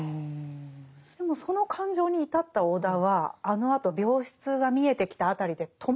でもその感情に至った尾田はあのあと病室が見えてきた辺りで止まりますよね。